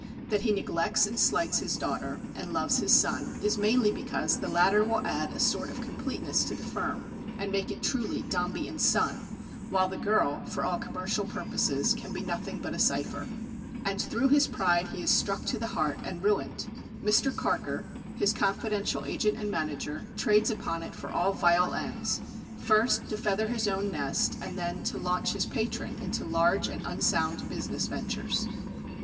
That he neglects and slights his daughter, and loves his son, is mainly because the latter will add a sort of completeness to the firm, and make it truly Dombey and Son, while the girl, for all commercial purposes, can be nothing but a cipher. And through his pride he is struck to the heart, and ruined. Mr. Carker, his confidential agent and manager, trades upon it for all vile ends, first to feather his own nest, and then to launch his patron into large and unsound business ventures.